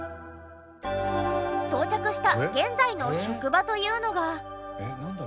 到着した現在の職場というのが。